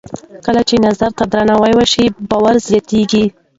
کله چې نظر ته درناوی وشي، باور زیاتېږي.